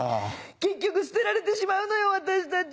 結局捨てられてしまうのよ私たち。